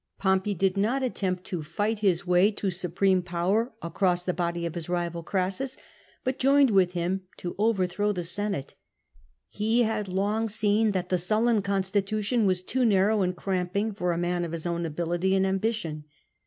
Pompey did not attempt to fight his way to supreme power across the body of his rival Orassus, but joined with him to overthrow the Senate. He had long seen that the Sullan constitution was too narrow and cramping for a man of his own ability and ambition.